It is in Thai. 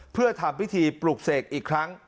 เพื่อทำพิธีปลูกเสกอีกครั้ง